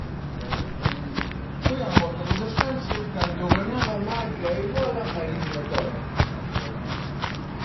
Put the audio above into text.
Foi á volta do descanso cando o Granada marca e iguala a eliminatoria.